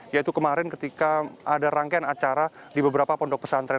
yaitu kemarin ketika ada rangkaian acara di beberapa pondok pesantren